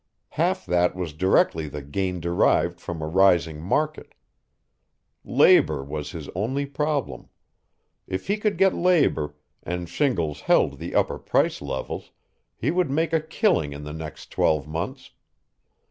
Half that was directly the gain derived from a rising market. Labor was his only problem. If he could get labor, and shingles held the upper price levels, he would make a killing in the next twelve months.